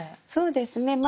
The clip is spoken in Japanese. そうですね